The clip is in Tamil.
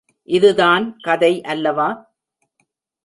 இதுதான் கதை அல்லவா?